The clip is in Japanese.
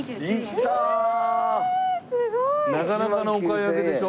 すごい。なかなかのお買い上げでしょ？